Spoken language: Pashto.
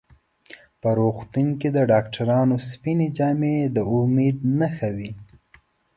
په روغتون کې د ډاکټرانو سپینې جامې د امید نښه وي.